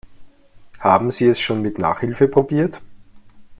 Haben Sie es schon mit Nachhilfe probiert?